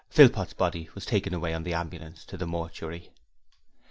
Philpot's body was taken away on the ambulance to the mortuary.